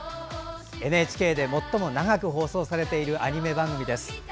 ＮＨＫで最も長く放送されているアニメ番組です。